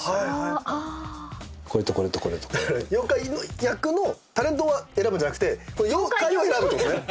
妖怪の役のタレントは選ぶんじゃなくて妖怪を選ぶってことですね。